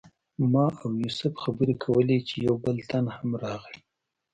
ما او یوسف خبرې کولې چې یو بل تن هم راغی.